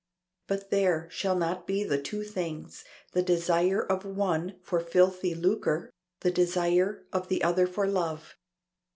But there, shall not be the two things, the desire of one for filthy lucre, the desire of the other for love.